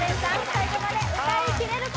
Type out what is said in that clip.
最後まで歌いきれるか？